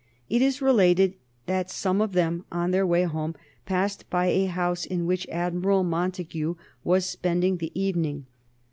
It is related that some of them on their way home passed by a house in which Admiral Montague was spending the evening.